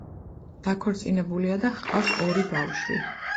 დაქორწინებულია და ჰყავს ორი ბავშვი.